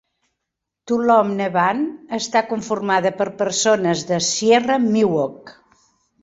Tuolomne Band està conformada per persones de Sierra Miwok.